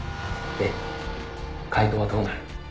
「で解答はどうなる？」